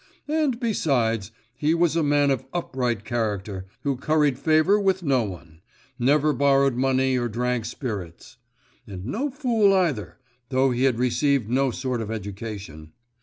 And besides, he was a man of upright character, who curried favour with no one, never borrowed money or drank spirits; and no fool either, though he had received no sort of education.